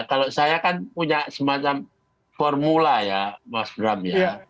kalau saya kan punya semacam formula ya mas bram ya